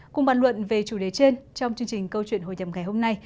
cùng bàn luận về chủ đề trên trong chương trình câu chuyện hồi nhầm ngày hôm nay